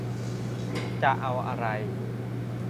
จะเอาอะไร